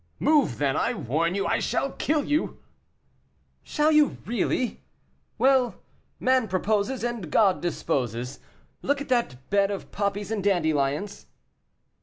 "Move then; I warn you I shall kill you." "Shall you really? Well, man proposes, and God disposes. Look at that bed of poppies and dandelions."